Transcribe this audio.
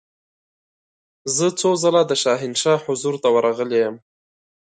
زه څو ځله د شاهنشاه حضور ته ورغلې یم.